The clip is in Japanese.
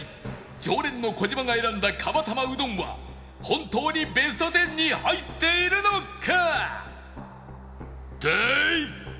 常連の児嶋が選んだ釜玉うどんは本当にベスト１０に入っているのか？